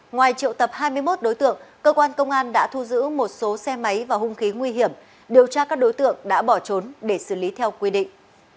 ngoài triệu tập hai mươi một đối tượng cơ quan công an đã thu giữ một số xe máy và hung khí nguy hiểm điều tra các đối tượng đã bỏ trốn để xử lý theo quy định